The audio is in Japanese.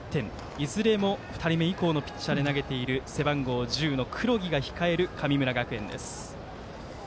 いずれも２人目以降のピッチャーで投げている背番号１０の黒木が控える神村学園です。